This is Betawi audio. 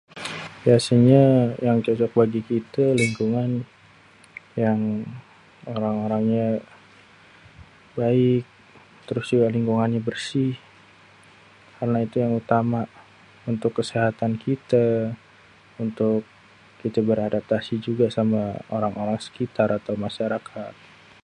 Biasenye yang dikité lingkungan yang orang-orangnyé baik trus yé lingkungannyé bersih karna itu yang utama untuk kesehatan kité, untuk kité beradaptasi juga sama orang-orang sekitar atau masarakat.